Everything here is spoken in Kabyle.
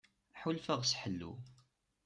Ḥulfaɣ s ḥellu.